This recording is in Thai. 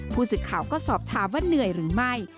ผู้สื่อข่าวก็สอบถามว่าเหนื่อยหรือไม่